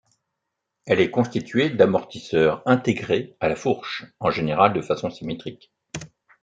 Elle est constituée d'amortisseurs intégrés à la fourche, en général de façon symétrique.